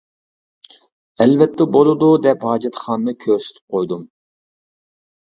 ئەلۋەتتە بولىدۇ دەپ ھاجەتخانىنى كۆرسىتىپ قويدۇم.